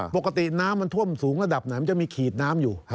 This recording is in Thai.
ปกติน้ำมันท่วมสูงระดับไหนมันจะมีขีดน้ำอยู่